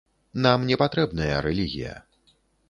Нам не патрэбная рэлігія.